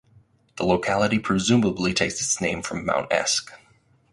The locality presumably takes its name from Mount Esk.